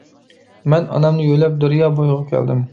مەن ئانامنى يۆلەپ دەريا بۇيىغا كەلدىم.